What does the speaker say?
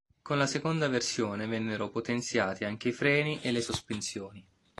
Con la seconda versione vennero potenziati anche i freni e le sospensioni.